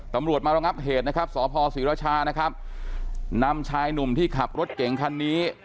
ตำรวจมารับเหตุสพสีรชานำชายหนุ่มที่ขับรถเก่งคันนี้